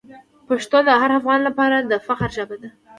پښتو د هر افغان لپاره د فخر ژبه ده.